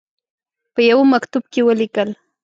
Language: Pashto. په یوه مکتوب کې ولیکل.